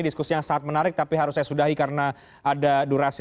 diskusi yang sangat menarik tapi harus saya sudahi karena ada durasi